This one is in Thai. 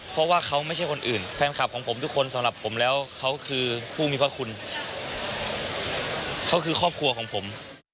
เพราะว่าเขาไม่ใช่คนอื่นแฟนคลับของผมทุกคนสำหรับผมแล้วเขาคือผู้มีพระคุณเขาคือครอบครัวของผม